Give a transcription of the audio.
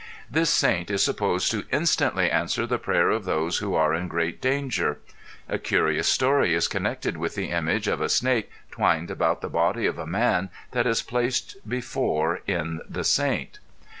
This saint is supposed to instantly answer the prayer of those who are in great danger. A curious story is connected with the image of a snake twined about the body of a man that is placed before in the saint.